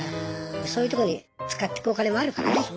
そういうとこに使ってくお金もあるからね。